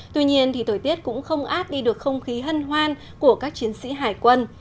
tuy nhiên thời tiết cũng không áp đi được không khí hân hoan của các chiến sĩ hải quân